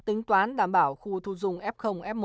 tính toán đảm bảo khu thu dung f f một